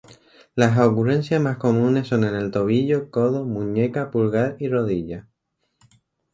Las ocurrencias más comunes son en el tobillo, codo, muñeca, pulgar y rodilla.